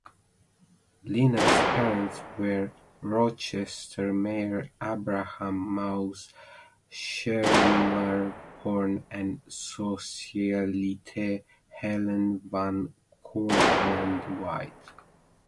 Lina's parents were Rochester mayor Abraham Maus Schermerhorn and socialite Helen Van Courtlandt White.